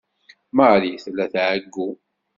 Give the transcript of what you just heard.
Marie tella tɛeyyu.